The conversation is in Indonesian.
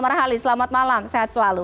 marhali selamat malam sehat selalu